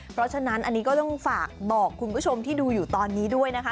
เพราะฉะนั้นอันนี้ก็ต้องฝากบอกคุณผู้ชมที่ดูอยู่ตอนนี้ด้วยนะคะ